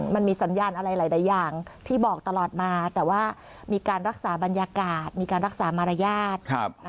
มันมีสัญญาณอะไรหลายอย่างที่บอกตลอดมาแต่ว่ามีการรักษาบรรยากาศมีการรักษามารยาท